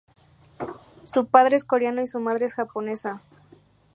Su padre es coreano y su madre es japonesa.